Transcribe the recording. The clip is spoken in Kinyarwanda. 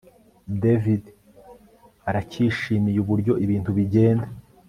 David aracyishimiye uburyo ibintu bigenda